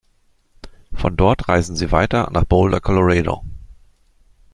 Von dort reisen sie weiter nach Boulder, Colorado.